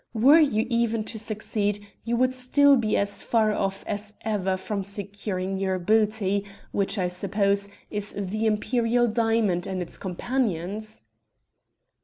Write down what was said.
Were you even to succeed you would still be as far off as ever from securing your booty, which, I suppose, is the Imperial diamond and its companions.'